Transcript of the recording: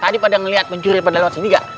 tadi pada ngeliat mencuri pada lewat sini gak